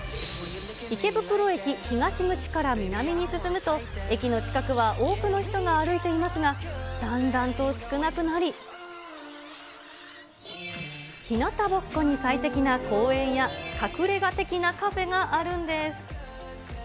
池袋駅東口から南に進むと、駅の近くは多くの人が歩いていますが、だんだんと少なくなり、ひなたぼっこに最適な公園や、隠れが的なカフェがあるんです。